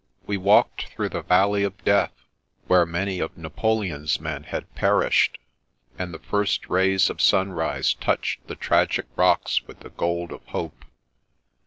We walked through the Valley of Death, where many of Napoleon's men had perished ; and the first rays of sunrise touched the tragic rocks with the gold of hope.